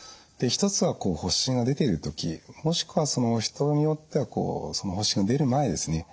１つは発疹が出ている時もしくはその人によってはその発疹が出る前ですね